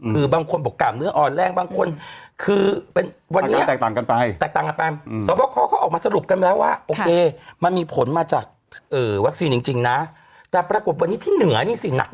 มันมีผลจากเว็บนี้มาจากวัคซีนจริงนะแต่จะปรากฏวันนี้ที่เหนือนี่สิหนักกว่านี้